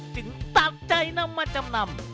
จึงตากใจนำมาจำนำ